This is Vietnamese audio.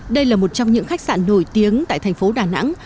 đây là một trong những khách sạn nổi tiếng tại thành phố đà nẵng